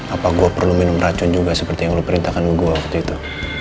apa gue perlu minum racun juga seperti yang lo perintahkan gue waktu itu